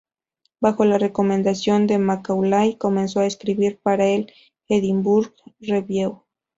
Bajo la recomendación de Macaulay comenzó a escribir para el "Edinburgh Review".